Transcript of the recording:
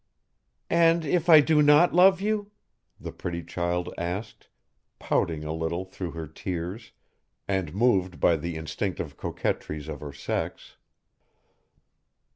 "And if I do not love you?" the pretty child asked, pouting a little through her tears, and moved by the instinctive coquetries of her sex.